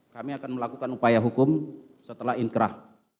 kami akan melakukan upaya hukum setelah inkrah